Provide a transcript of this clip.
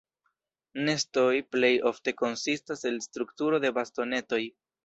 Nestoj plej ofte konsistas el strukturo de bastonetoj.